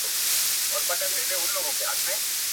څېړونکي باید همزمان پر موضوع کار ونه کړي.